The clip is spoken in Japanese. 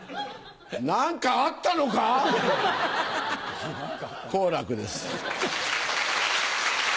何かあったのか⁉好楽です。